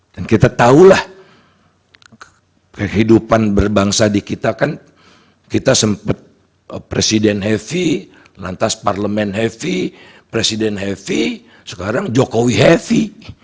dan kita tahulah kehidupan berbangsa di kita kan kita sempat presiden heavy lantas parlement heavy presiden heavy sekarang jokowi heavy